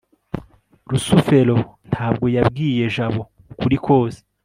rusufero ntabwo yabwiye jabo ukuri kose